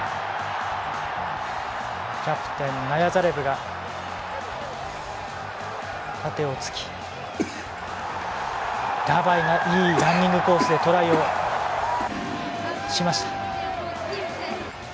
キャプテン、ナヤザレブが縦をつきラバイがいいランニングコースでトライをしました。